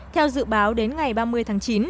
theo dự báo đến ngày ba mươi tháng chín